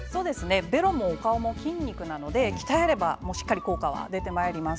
ベロもお顔の筋肉なので鍛えればしっかり効果が出てきます。